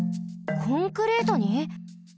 コンクリートに？